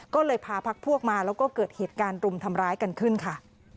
ก็เลยพาพักพวกมาแล้วก็เกิดเหตุการณ์รุมทำร้ายกันขึ้นค่ะ